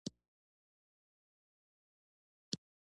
ایران خپل ګاز ګاونډیانو ته صادروي.